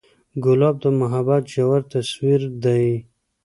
ګلاب د محبت ژور تصویر دی.